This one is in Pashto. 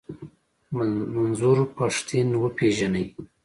منظور پښتين و پېژنئ.